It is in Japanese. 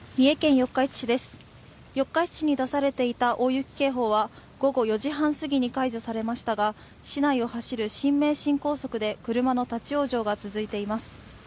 四日市市に出されていた大雪警報は午後４時半すぎに解除されましたが市内を走る新名神高速で車の立往生が続いています。